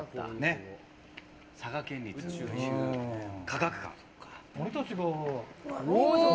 佐賀県立宇宙科学館。